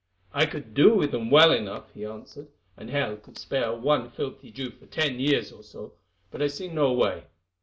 "I could do with them well enough," he answered, "and hell could spare one filthy Jew for ten years or so, but I see no way.